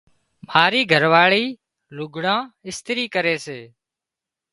مارِي گھرواۯِي لُگھڙان اِسترِي ڪري سي۔